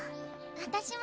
私も。